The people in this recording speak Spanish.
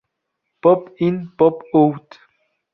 Pop In, Pop Out!